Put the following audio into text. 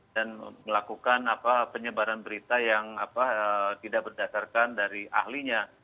dan melakukan penyebaran berita yang tidak berdasarkan dari ahlinya